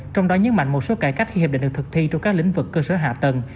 trong đó nhấn mạnh một số cải cách khi hiệp định được thực thi trong các lĩnh vực cơ sở hạ tầng